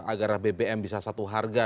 agar bbm bisa satu harga